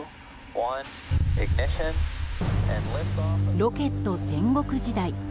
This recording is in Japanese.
ロケット戦国時代。